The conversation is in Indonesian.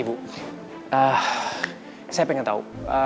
ibu saya pengen tahu